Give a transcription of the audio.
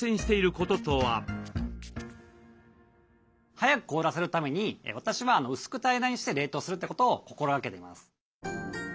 速く凍らせるために私は薄く平らにして冷凍するってことを心がけてます。